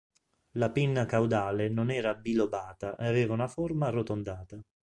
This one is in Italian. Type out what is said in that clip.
La pinna caudale non era bilobata e aveva una forma arrotondata.